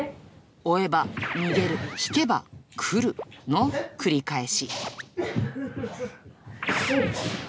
追えば逃げる、引けば来るの繰り返し。